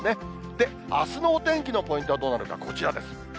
で、あすのお天気のポイントはどうなるか、こちらです。